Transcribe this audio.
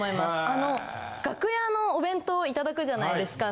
あの楽屋のお弁当いただくじゃないですか。